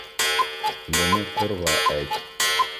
— Быны Ҡорға әйт.